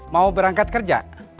mau berangkat kerja